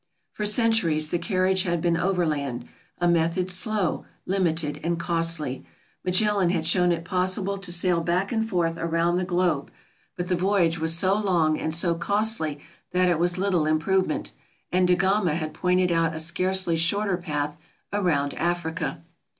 For centuries the carriage had been overland, a method slow, limited, and costly. Magellan had shown it possible to sail back and forth around the globe, but the voyage was so long, and so costly, that it was little improvement; and Da Gama had pointed out a scarcely shorter path around Africa.